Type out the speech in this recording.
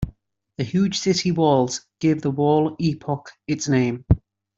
The huge city walls gave the wall epoch its name.